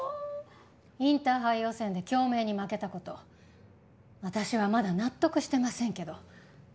インターハイ予選で京明に負けた事私はまだ納得してませんけど。